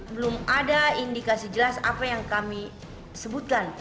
belum ada indikasi jelas apa yang kami sebutkan